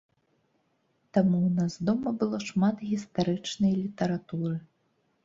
Таму ў нас дома было шмат гістарычнай літаратуры.